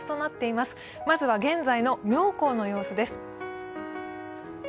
まずは現在の妙高の様子です。